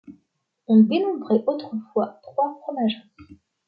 On dénombrait autrefois trois fromageries.